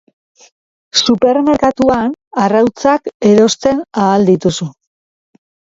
Supermerkatuan arrautzak erosten ahal dituzu.